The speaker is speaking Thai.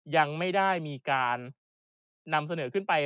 ยังไม่ได้มีการนำเสนอขึ้นไป